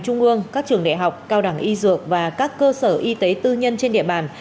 trung ương các trường đại học cao đẳng y dược và các cơ sở y tế tư nhân trên địa bàn